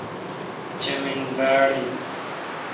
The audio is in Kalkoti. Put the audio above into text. چمین باڑبیل۔